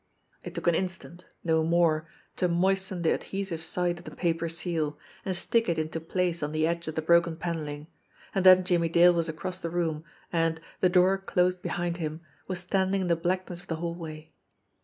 It took an instant, no more, to moisten the adhesive side of the paper seal, and stick it into place on the edge of the broken panelling ; and then Jimmy Dale was across the room, and, the door closed behind him, was standing in the black ness of the hallway.